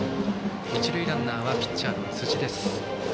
一塁ランナーはピッチャーの辻。